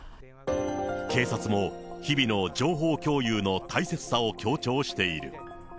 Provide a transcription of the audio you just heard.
警察も日々の情報共有の大切さを強調している。